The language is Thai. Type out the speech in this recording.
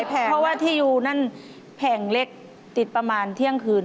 เพราะว่าที่อยู่นั่นแผงเล็กติดประมาณเที่ยงคืน